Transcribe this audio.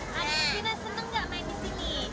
sina seneng gak main disini